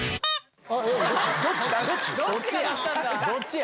どっちが鳴ったんだ？